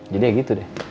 jadi ya gitu deh